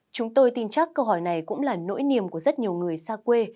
chúng tôi tin chắc câu hỏi này cũng là nỗi niềm của rất nhiều người xa quê